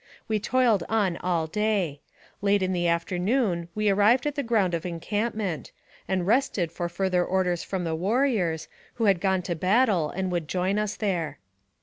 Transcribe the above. We toiled on all day. Late 111 the afternoon we arrived at the ground of encamp ment, and rested for further orders from the warriors, who had gone to battle and would join us there.